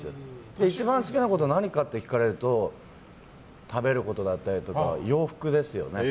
一番好きなこと何か聞かれると食べることだったりとか洋服ですよね。